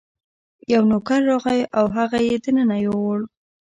یو نوکر راغی او هغه یې دننه یووړ.